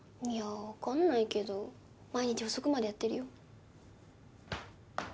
いやわかんないけど毎日遅くまでやってるよ。